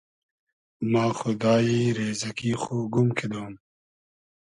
ما خودایی ریزئگی خو گوم کیدۉم